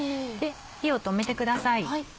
火を止めてください。